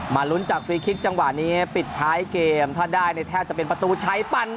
ลุ้นจากฟรีคลิกจังหวะนี้ปิดท้ายเกมถ้าได้เนี่ยแทบจะเป็นประตูใช้ปั่น